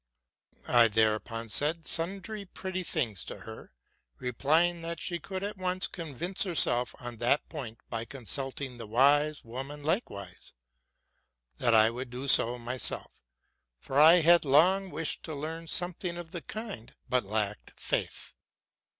'' I thereupon said sundry pretty things to her, replying that she could at once convince herself on that point by consult ing the wise woman likewise ; that I would do so myself, for I had long wished to learn something of the kind, but lacked faith.